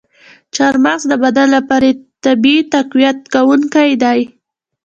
چارمغز د بدن لپاره طبیعي تقویت کوونکی دی.